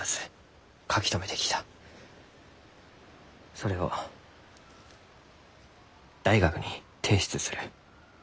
それを大学に提出する。